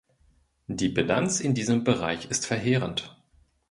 Die Bilanz in diesem Bereich ist verheerend.